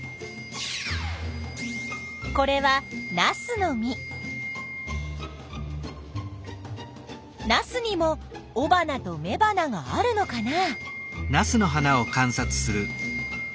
これはナスにもおばなとめばながあるのかな？